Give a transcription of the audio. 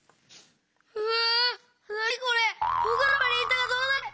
うわ！